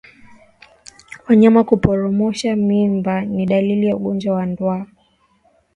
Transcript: Wanyama kuporomosha mimba ni dalili ya ugonjwa wa ndwa